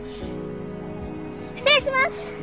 失礼します！